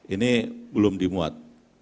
ini belum dimuat